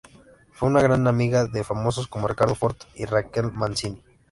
Fue una gran amiga de famosos como Ricardo Fort y Raquel Mancini.